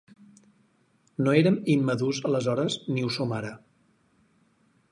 No érem immadurs aleshores ni ho som ara.